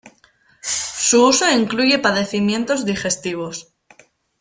Su uso incluye padecimientos digestivos.